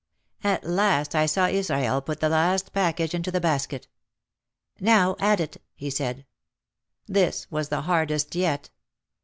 At last I saw Israel put the last package into the basket. "Now, add it," he said. This was the hardest yet.